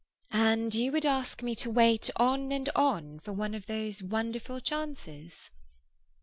"And you would ask me to wait on and on for one of these wonderful chances?"